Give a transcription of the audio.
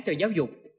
cho giáo dục